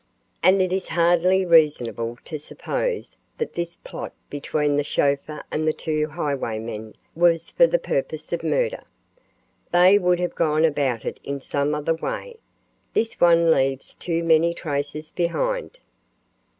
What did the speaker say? "And it is hardly reasonable to suppose that this plot between the chauffeur and the two highwaymen was for the purpose of murder. They would have gone about it in some other way. This one leaves too many traces behind."